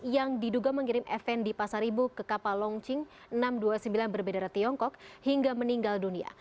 yang diduga mengirim fnd di pasar ibu ke kapal long ching enam ratus dua puluh sembilan berbedara tiongkok hingga meninggal dunia